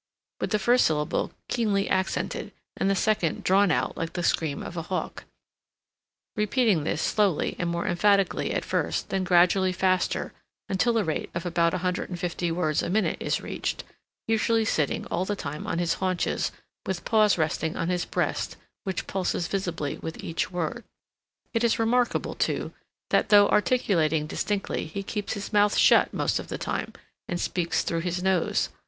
with the first syllable keenly accented, and the second drawn out like the scream of a hawk,—repeating this slowly and more emphatically at first, then gradually faster, until a rate of about 150 words a minute is reached; usually sitting all the time on his haunches, with paws resting on his breast, which pulses visibly with each word. It is remarkable, too, that, though articulating distinctly, he keeps his mouth shut most of the time, and speaks through his nose.